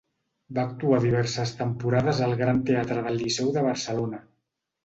Va actuar diverses temporades al Gran Teatre del Liceu de Barcelona.